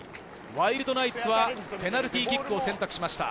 ワイルドナイツはペナルティーキックを選択しました。